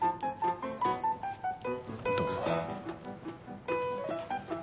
どうぞ。